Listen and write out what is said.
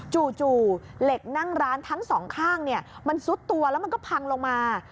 จู่เหล็กนั่งร้านทั้งสองข้างมันซุดตัวแล้วมันก็พังลงมา